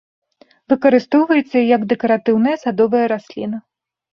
Выкарыстоўваецца, як дэкаратыўная садовая расліна.